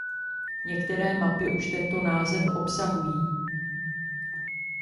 Některé mapy už tento název obsahují.